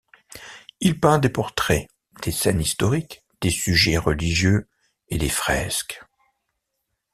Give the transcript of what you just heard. Il peint des portraits, des scènes historiques, des sujets religieux et des fresques.